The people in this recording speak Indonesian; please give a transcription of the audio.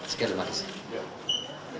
sekian terima kasih